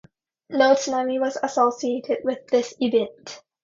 No tsunami was associated with this event.